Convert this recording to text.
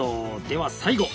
では最後！